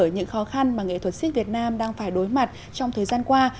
những khó khăn mà nghệ thuật siếc việt nam đang phải đối mặt trong thời gian qua